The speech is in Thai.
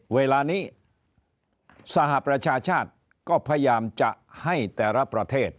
เวลานี้สหประชาชาติก็พยายามจะให้แต่ละประเทศ